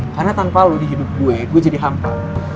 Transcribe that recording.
karena tanpa lu di hidup gua gua jadi hampa